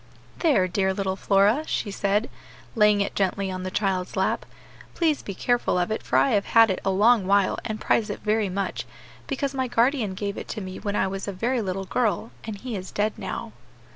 "There, dear little Flora," she said, laying it gently on the child's lap, "please be careful of it for I have had it a long while, and prize it very much, because my guardian gave it to me when I was a very little girl, and he is dead now."